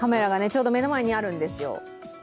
ちょうど目の前にあるんですよ。